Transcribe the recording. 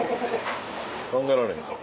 考えられへん。